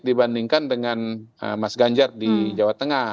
dibandingkan dengan mas ganjar di jawa tengah